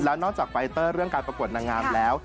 แล้วนอกจากไฟเตอร์เรื่องการประกวดนางงามแล้ว